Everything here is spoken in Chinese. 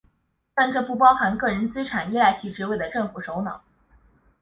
但这不包含个人资产依赖其职位的政府首脑。